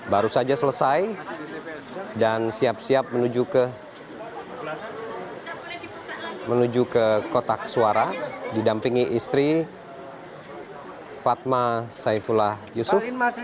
baru saja selesai dan siap siap menuju ke kotak suara didampingi istri fatma saifullah yusuf